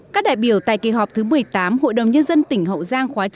các đại biểu tại kỳ họp thứ một mươi tám hội đồng nhân dân tỉnh hậu giang khóa chín